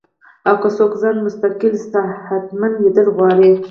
او کۀ څوک ځان مستقل صحتمند ليدل غواړي